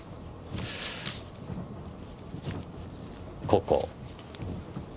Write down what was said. ここ。